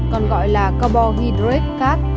còn gọi là carbohydrates